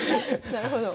なるほど。